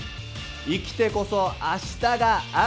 生きてこそ明日がある。